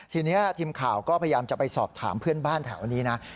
ทีนี้ทีมข่าวก็พยายามจะไปสอบถามเพื่อนบ้านแถวนี้นะ